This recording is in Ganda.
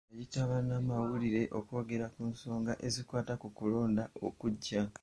Yayita bannamawulire okwogera ku nsonga ezikwata ku kulonda okujja.